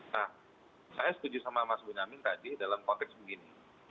nah saya setuju sama mas bonyamin tadi dalam konteks begini